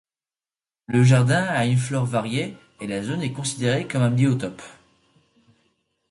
Le jardin a une flore variée et la zone est considérée comme un biotope.